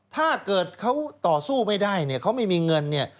ถ้าเกิดเขาต่อสู้ไม่ได้เนี่ยเขาไม่มีเงินเนี่ย